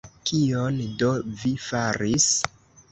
Kion do vi faris?